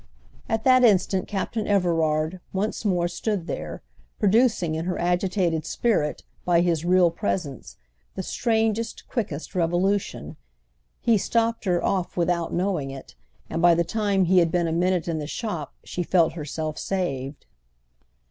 At that instant Captain Everard once more stood there, producing in her agitated spirit, by his real presence, the strangest, quickest revolution. He stopped her off without knowing it, and by the time he had been a minute in the shop she felt herself saved.